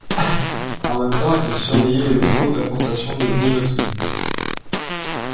En même temps, ils surveillaient les locaux d’importation de bonneterie.